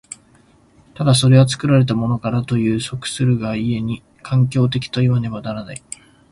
ただそれは作られたものからというに即するが故に、環境的といわねばならない。